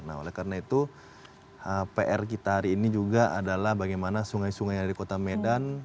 nah oleh karena itu pr kita hari ini juga adalah bagaimana sungai sungai yang ada di kota medan